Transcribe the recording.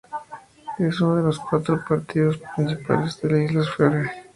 Es uno de los cuatro partidos principales de las Islas Feroe.